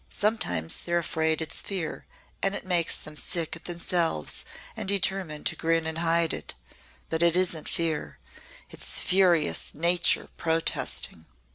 Sometimes they're afraid it's fear and it makes them sick at themselves and determined to grin and hide it. But it isn't fear it's furious Nature protesting."